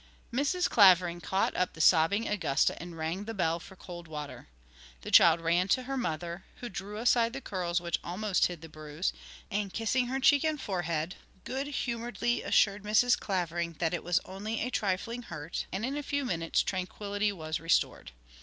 Mrs. Clavering caught up the sobbing Augusta and rang the bell for cold water. The child ran to her mother, who drew aside the curls which almost hid the bruise, and kissing her cheek and forehead, good humouredly assured Mrs. Clavering that it was only a trifling hurt, and in a few minutes tranquillity was restored.